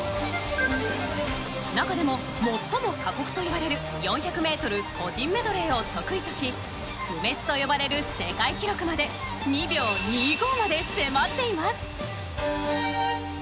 中でも最も過酷といわれる４００メートル個人メドレーを得意とし不滅と呼ばれる世界記録まで２秒２５まで迫っています。